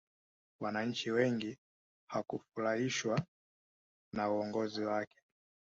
wananchi wengi hakufurahishwi na uongozi wake